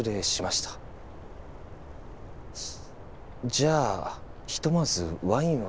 じゃあひとまずワインは。